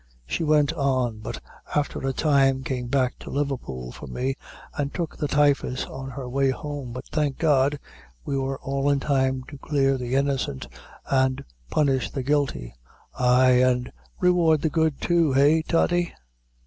She went on, but afther a time came back to Liverpool for me, an' took the typhus on her way home, but thank God, we were all in time to clear the innocent and punish the guilty; ay, an' reward the good, too, eh, Toddy?'"